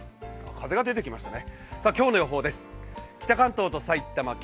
風が出てきましたね。